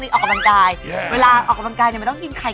ชอบมั้ยวันนี้เราจะมาติดเวทเรื่องนี้เลย